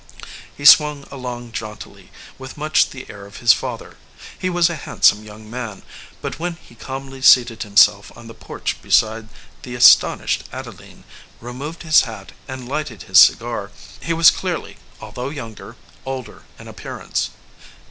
He swung along jauntily, with much the air of his father. He was a handsome young man; but when he calmly seated himself on the porch beside the astonished Adeline, removed his hat, and 60 THE VOICE OF THE CLOCK lighted his cigar, he was clearly, although younger, older in appearance.